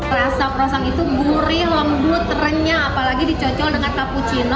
rasa kru asal itu gurih lembut renyah apalagi dicocok dengan cappuccino